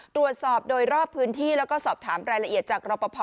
ตรวจสอบโดยรอบพื้นที่แล้วก็สอบถามรายละเอียดจากรอปภ